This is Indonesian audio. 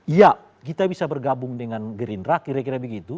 iya kita bisa bergabung dengan gerindra kira kira begitu